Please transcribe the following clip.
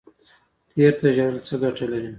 تیر ته ژړل څه ګټه لري؟